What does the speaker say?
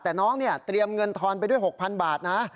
แต่น้องเนี่ยเตรียมเงินทอนไปด้วย๖๐๐๐บาทนะ